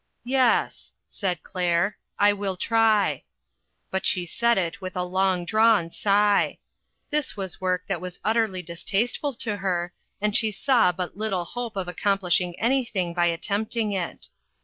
YES," said Claire, "I will try." But she said it with a long drawn sigh. This was work that was utterly dis tasteful to her, and she saw but little hope of accomplishing anything by attempting it.